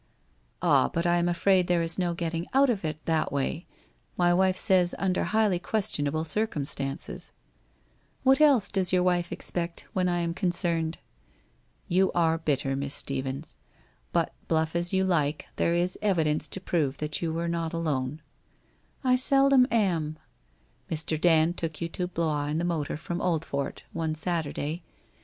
' Ah, but I am afraid there is no getting out of it that WHITE ROSE OF WEARY LEAP S53 ■way. My wife says under highly questionable circum stances/ ' What else does your wife expect when I am concerned ?'' You are bitter, dear Miss Stephens. But bluff as you like, there is evidence to prove that you were not alone/ * I seldom am/ c Mr. Dand took you to Blois in the motor from Oldfort — one Saturday.